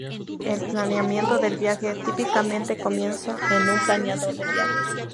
El planeamiento del viaje típicamente comienza en un planeador de viaje.